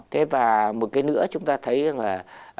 thế và một cái nữa chúng ta thấy là